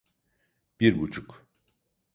Bir buçuk.